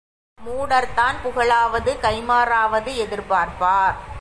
மூடர்தான் புகழாவது கைம்மாறாவது எதிர்பார்ப்பார்.